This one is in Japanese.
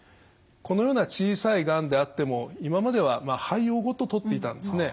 このような小さいがんであっても今までは肺葉ごと取っていたんですね。